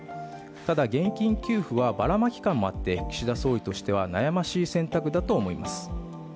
ただ現金給付はバラマキ感もあって岸田総理としては悩ましい選択だと思います。